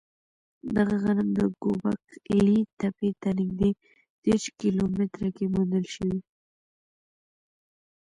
دغه غنم د ګوبک لي تپې ته نږدې دېرش کیلو متره کې موندل شوی.